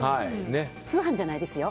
通販じゃないですよ。